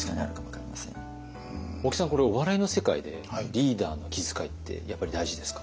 大木さんこれお笑いの世界でリーダーの気遣いってやっぱり大事ですか？